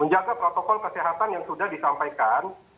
menjaga protokol kesehatan yang sudah disampaikan